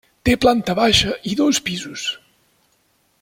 Té Planta baixa i dos pisos.